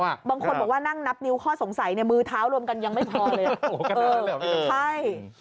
บางคนบอกว่านั่งนับนิ้วข้อสงสัยเนี่ยมือเท้ารวมกันยังไม่พอเลยใช่